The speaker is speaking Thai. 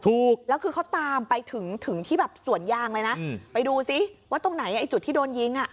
ถูกแล้วคือเขาตามไปถึงที่แบบสวนยางเลยนะไปดูซิว่าตรงไหนไอ้จุดที่โดนยิงอ่ะ